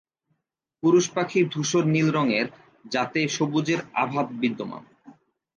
পুরুষ পাখি ধূসর নীল রঙের যাতে সবুজের আভা বিদ্যমান।